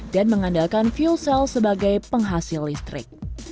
dan mengandalkan fuel cell sebagai penghasil listrik